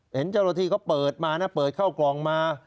เห็นเจ้าหน้าที่เขาเปิดมานะเปิดเข้ากล่องมา